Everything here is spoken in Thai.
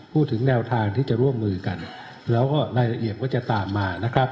พูดถึงแนวทางที่จะร่วมมือกันแล้วก็รายละเอียดก็จะตามมานะครับ